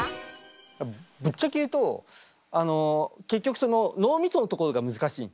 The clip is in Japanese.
ぶっちゃけ言うと結局その脳みそのところが難しい。